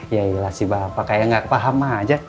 ya iya lah si bapak kayak gak paham aja